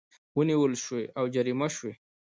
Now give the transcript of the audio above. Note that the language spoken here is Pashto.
ونیول شوې او جریمه شوې